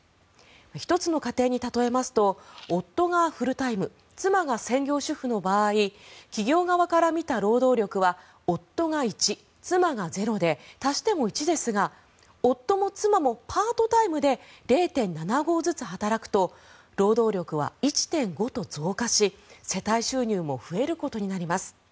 １つの家庭に例えますと夫がフルタイム妻が専業主婦の場合企業側から見た労働力は夫が１妻が０で、足しても１ですが夫も妻もパートタイムで０．７５ずつ働くと労働力は１．５と増加し世帯収入も増えることになります。